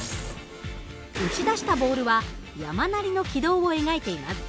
撃ち出したボールは山なりの軌道を描いています。